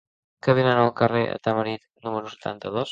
Què venen al carrer de Tamarit número setanta-dos?